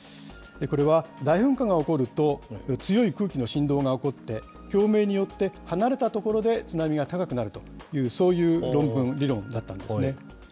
これは、大噴火が起こると、強い空気の振動が起こって、共鳴によって、離れた所で津波が高くなるという、そういう論文、理論だったんですね。